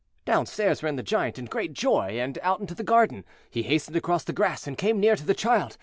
Downstairs ran the Giant in great joy, and out into the garden. He hastened across the grass, and came near to the child.